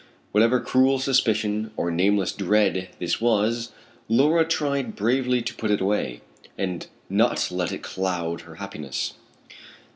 Whatever cruel suspicion or nameless dread this was, Laura tried bravely to put it away, and not let it cloud her happiness.